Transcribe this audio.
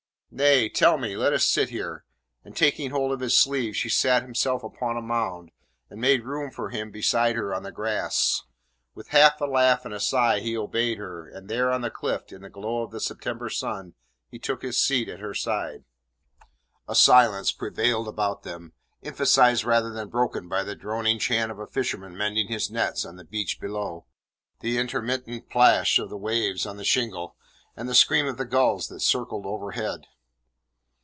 "Nay, tell me. Let us sit here." And taking hold of his sleeve, she sat herself upon a mound, and made room for him beside her on the grass. With a half laugh and a sigh he obeyed her, and there, on the cliff, in the glow of the September sun, he took his seat at her side. A silence prevailed about them, emphasized rather than broken by the droning chant of a fisherman mending his nets on the beach below, the intermittent plash of the waves on the shingle, and the scream of the gulls that circled overhead.